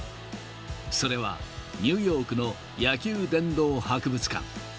それは、ニューヨークの野球殿堂博物館。